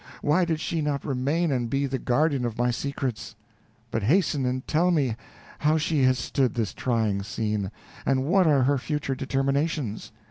Why did she not remain and be the guardian of my secrets? But hasten and tell me how she has stood this trying scene, and what are her future determinations."